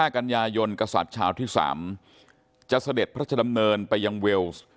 กันยายนกษัตริย์ชาวที่๓จะเสด็จพระชดำเนินไปยังเวลส์